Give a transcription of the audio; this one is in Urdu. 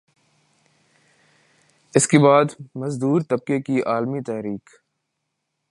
اسکے بعد مزدور طبقے کی عالمی تحریک